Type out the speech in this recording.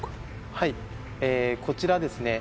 はいこちらですね